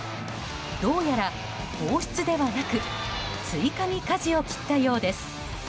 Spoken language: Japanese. どうやら放出ではなく追加にかじを切ったようです。